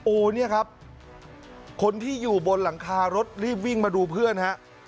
เนี่ยครับคนที่อยู่บนหลังคารถรีบวิ่งมาดูเพื่อนฮะ